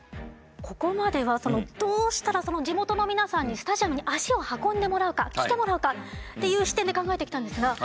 ここまではどうしたらその地元の皆さんにスタジアムに足を運んでもらうか来てもらうかっていう視点で考えてきたんですが。